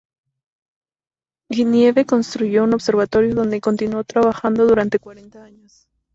Genevieve construyó un observatorio, donde continuó trabajando durante cuarenta años.